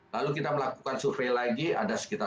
lalu kita melakukan survei lagi ada sekitar